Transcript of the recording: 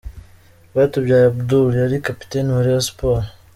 Rwatubyaye Abdul yari kapiteni wa Rayon Sports.